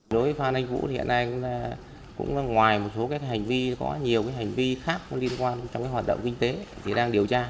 đối với phan anh vũ hiện nay cũng ngoài một số hành vi có nhiều hành vi khác liên quan đến hoạt động kinh tế đang điều tra